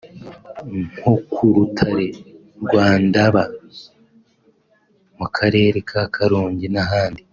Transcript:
nko k’urutare rwa Ndaba mu karere ka Karongi n’ahandi